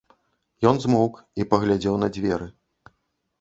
Ён змоўк і паглядзеў на дзверы.